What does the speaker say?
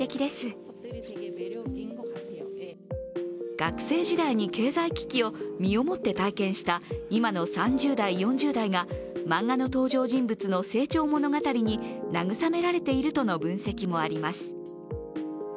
学生時代に経済危機を身をもって体験した今の３０代、４０代が漫画の登場人物の成長物語に慰められているとの分析もあります。